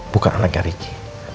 bukan anaknya ricky